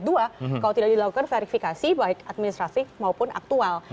kalau tidak dilakukan verifikasi baik administratif maupun aktual